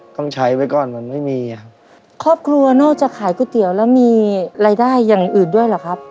ต้องใช้ไว้ก่อนมันไม่มีอ่ะครับครอบครัวนอกจากขายก๋วยเตี๋ยวแล้วมีรายได้อย่างอื่นด้วยเหรอครับ